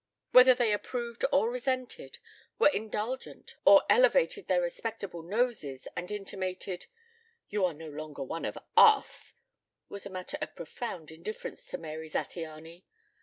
Whether they approved or resented, were indulgent or elevated their respectable noses and intimated, "You are no longer one of us," was a matter of profound indifference to Mary Zattiany.